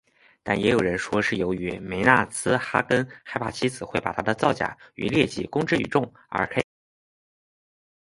但也有人说是由于梅纳茨哈根害怕妻子会把他的造假与劣迹公之于众而开枪杀死她的。